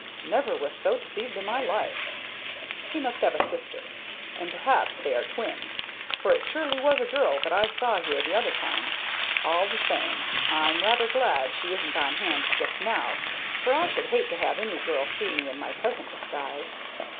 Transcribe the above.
Never was so deceived in my life. He must have a sister, and perhaps they are twins, for it surely was a girl that I saw here the other time. All the same, I'm rather glad she isn't on hand just now, for I should hate to have any girl see me in my present disguise.